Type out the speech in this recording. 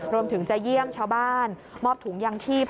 รวมถึงจะเยี่ยมชาวบ้านมอบถุงยางชีพ